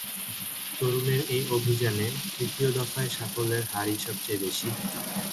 তরুণের এ অভিযানে তৃতীয় দফায় সাফল্যের হারই সবচেয়ে বেশি।